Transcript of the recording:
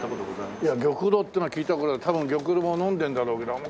いや玉露っていうのは聞いたぐらいで多分玉露も飲んでるんだろうけどあんま